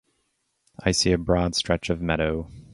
I see a broad stretch of meadow.